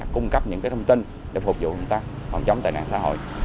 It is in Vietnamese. cung cấp những thông tin để phục vụ công tác phòng chống tệ nạn xã hội